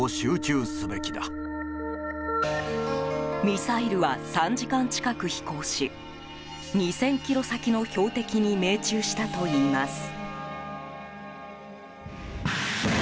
ミサイルは３時間近く飛行し２０００ｋｍ先の標的に命中したといいます。